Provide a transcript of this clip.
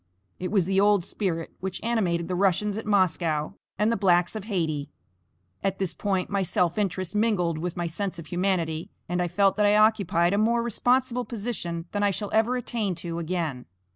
It was the old spirit which animated the Russians at Moscow, and the blacks of Hayti. At this point my self interest mingled with my sense of humanity, and I felt that I occupied a more responsible position than I shall ever attain to again.